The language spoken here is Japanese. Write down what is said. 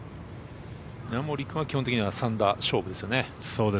稲森君は基本的に３打勝負ですよね。